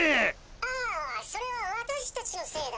ああそれは私達のせいだ。